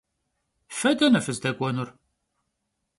Fe dene fızdek'uenur?